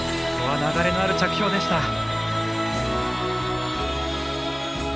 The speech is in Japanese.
流れのある着氷でした。